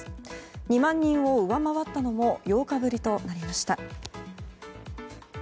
２万人を上回ったのも８日ぶりとなりました。